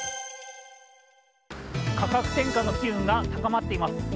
価格転嫁の機運が高まっています。